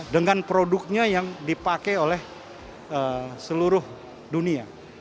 dengan produknya yang dipakai oleh seluruh dunia